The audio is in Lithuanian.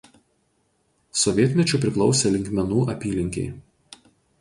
Sovietmečiu priklausė Linkmenų apylinkei.